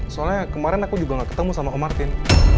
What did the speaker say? soalnya kemarin aku juga gak ketemu sama martin